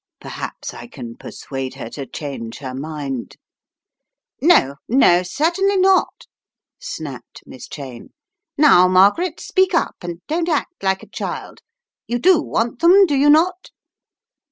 "Perhaps I can persuade her to change her mind." "No, no, certainly not," snapped Miss Cheyne. "Now, Margaret, speak up, and don't act like a child. "You do want them, do you not?"